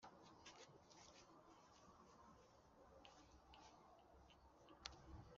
ni ifi yubucucu ifatwa kabiri hamwe nigituba kimwe